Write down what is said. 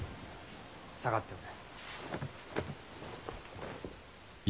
下がっておれ。